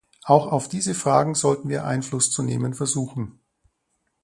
Auch auf diese Fragen sollten wir Einfluss zu nehmen versuchen.